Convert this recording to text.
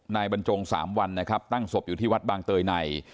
บรรจง๓วันนะครับตั้งศพอยู่ที่วัดบางเตยใน